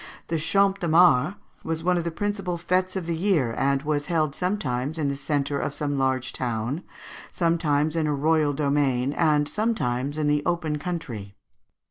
The Champ de Mars was one of the principal fêtes of the year, and was held sometimes in the centre of some large town, sometimes in a royal domain, and sometimes in the open country.